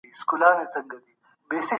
په لویه جرګه کي د ملي ګټو په اړه څه ویل کیږي؟